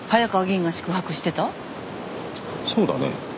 そうだね。